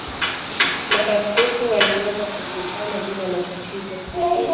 Maaskofu waliweza kukutana bila matatizo.